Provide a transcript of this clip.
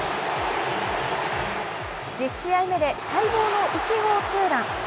１０試合目で待望の１号ツーラン。